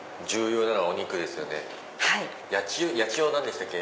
八千代何でしたっけ？